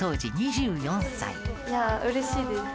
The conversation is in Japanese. いやあうれしいです。